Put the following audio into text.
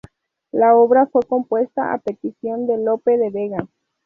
La obra fue compuesta a petición de Lope de Vega.